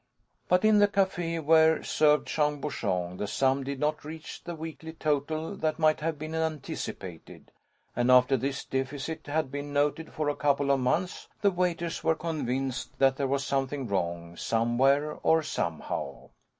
But in the café where served Jean Bouchon the sum did not reach the weekly total that might have been anticipated; and after this deficit had been noted for a couple of months the waiters were convinced that there was something wrong, somewhere or somehow.